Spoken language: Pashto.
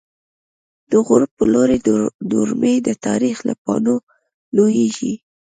دغروب په لوری درومی، د تاریخ له پاڼو لویږی